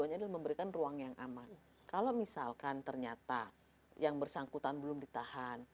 yang ternyata yang bersangkutan belum ditahan